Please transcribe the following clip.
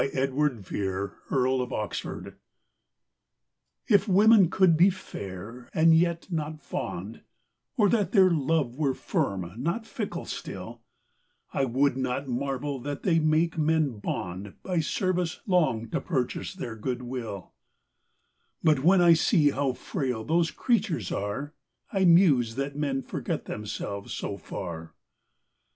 Edward Vere, Earl of Oxford. A RENUNCIATION. If women could be fair, and yet not fond, Or that their love were firm, not fickle still, I would not marvel that they make men bond By service long to purchase their good will; But when I see how frail those creatures are, I muse that men forget themselves so far.